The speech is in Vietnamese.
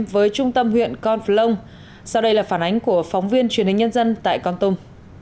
với trung tâm huyện con plong sau đây là phản ánh của phóng viên truyền hình nhân dân tại con tum